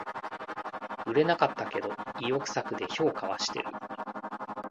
売れなかったけど意欲作で評価はしてる